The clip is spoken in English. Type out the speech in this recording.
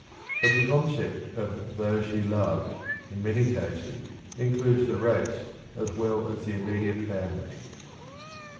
But the concept of "those he loves," in many cases, includes the race as well as the immediate family.